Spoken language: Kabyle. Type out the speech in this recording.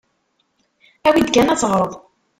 Awi-d kan ad teɣreḍ.